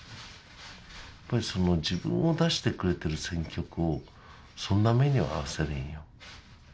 やっぱりその自分を出してくれてる選挙区をそんな目には遭わせられないよ